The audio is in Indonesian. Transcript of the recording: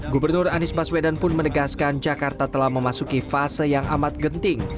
gubernur anies baswedan pun menegaskan jakarta telah memasuki fase yang amat genting